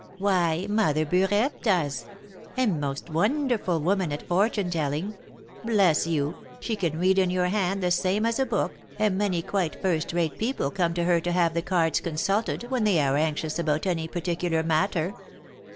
"Why, Mother Burette does, a most wonderful woman at fortune telling; bless you, she can read in your hand the same as a book, and many quite first rate people come to her to have the cards consulted when they are anxious about any particular matter.